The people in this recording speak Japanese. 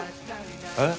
えっ？